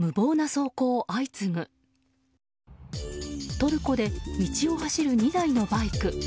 トルコで道を走る２台のバイク。